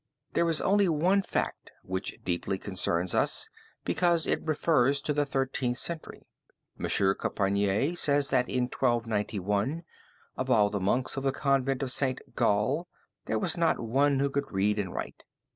There is only one fact which deeply concerns us because it refers to the Thirteenth Century. M. Compayré says that in 1291 of all the monks of the Convent of Saint Gall there was not one who could read and write.